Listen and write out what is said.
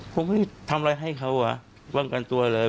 ผมไม่ทำอะไรให้เขาอ่ะป้องกันตัวเลย